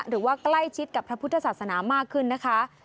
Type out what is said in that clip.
หรือว่าใกล้ชิดกับพระพุทธศาสนามากขึ้นนะคะ